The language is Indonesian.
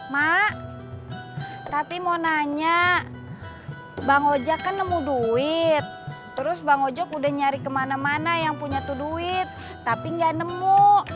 mak tadi mau nanya bang ojek kan nemu duit terus bang ojek udah nyari kemana mana yang punya tuh duit tapi gak nemu